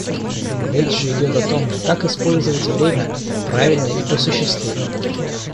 Речь же идет о том, как использовать время — правильно и по существу.